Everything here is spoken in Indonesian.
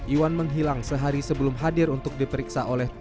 iwan menghilang sehari sebelum hadir untuk diperiksa oleh tim